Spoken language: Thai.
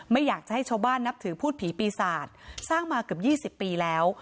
ไม่อยากจะให้ชาวบ้านนับถือพูดผีปีศาจสร้างมาเกือบ๒๐ปีแล้ว